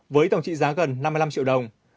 với tổng trị giá gần năm mươi năm triệu đồng